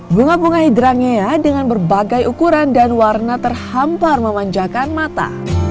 bunga bunga hidrangea dengan berbagai ukuran dan warna terhampar memanjakan mata